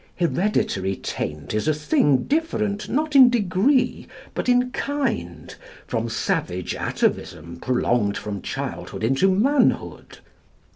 Hereditary taint is a thing different not in degree but in kind from savage atavism prolonged from childhood into manhood.